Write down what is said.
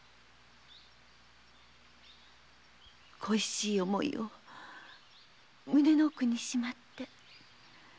恋しい思いを胸の奥にしまって。